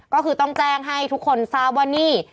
ก็คือต้องแจ้งให้ทุกคนทราบว่านี่